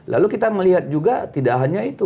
lalu kita melihat juga tidak hanya itu